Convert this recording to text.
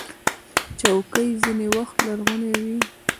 چوکۍ ځینې وخت لرغونې وي.